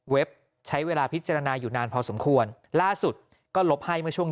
ใช้เวลาพิจารณาอยู่นานพอสมควรล่าสุดก็ลบให้เมื่อช่วง